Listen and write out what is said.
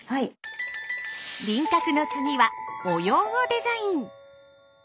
輪郭の次は模様をデザイン！